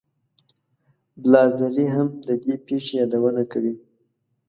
بلاذري هم د دې پېښې یادونه کوي.